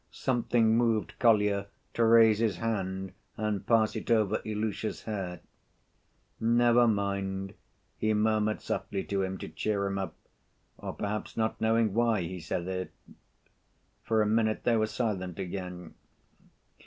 Something moved Kolya to raise his hand and pass it over Ilusha's hair. "Never mind!" he murmured softly to him to cheer him up, or perhaps not knowing why he said it. For a minute they were silent again.